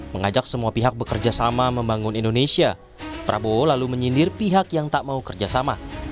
mengajak semua pihak bekerja sama membangun indonesia prabowo lalu menyindir pihak yang tak mau kerjasama